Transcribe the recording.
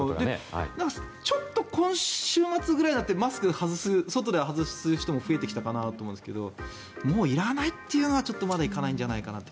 ちょっと今週末くらいになってマスクを外で外す人も増えてきたかなと思うんですけどもういらないというのまではいかないんじゃないかと。